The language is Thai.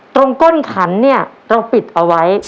ก้นขันเนี่ยเราปิดเอาไว้